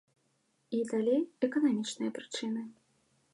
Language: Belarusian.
І, далей, эканамічныя прычыны.